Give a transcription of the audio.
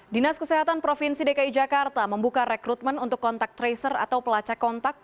dinas kesehatan provinsi dki jakarta membuka rekrutmen untuk kontak tracer atau pelacak kontak